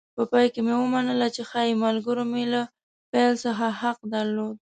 په پای کې مې ومنله چې ښایي ملګرو مې له پیل څخه حق درلود.